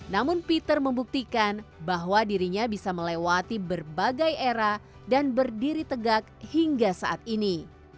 namun peter membuktikan bahwa dirinya bisa melewati berbagai era dan berdiri tegak hingga saat ini